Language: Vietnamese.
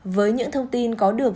với những thông tin có được